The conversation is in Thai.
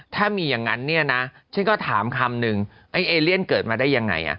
ถ้ามีอย่างนั้นเนี่ยนะฉันก็ถามคำนึงไอ้เอเลียนเกิดมาได้ยังไง